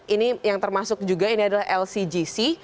ini yang termasuk juga ini adalah lcgc